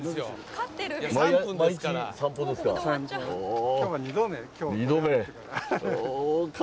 毎日、散歩ですか？